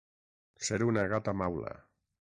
Ser una gata maula.